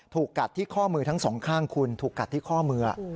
ถูกกัดที่ข้อมือทั้งสองข้างคุณถูกกัดที่ข้อมือ